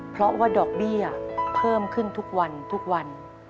เพราะว่าดอกเบี้ยเพิ่มขึ้นทุกวันทุกวัน